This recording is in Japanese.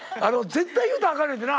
絶対言うたらあかんねんってな？